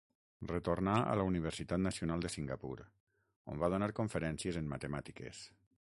Retornà a la Universitat Nacional de Singapur, on va donar conferències en matemàtiques.